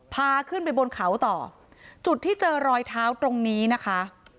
พาขึ้นไปบนเขาต่อจุดที่เจอรอยเท้าตรงนี้นะคะ